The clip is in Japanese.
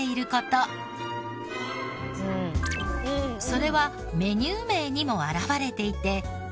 それはメニュー名にも表れていて。